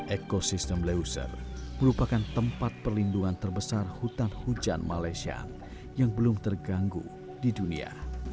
ekosistem leuser merupakan tempat perlindungan terbesar hutan hujan malaysia yang belum terganggu di dunia